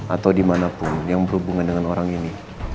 atau dimanapun yang berhubungan dengan orang ini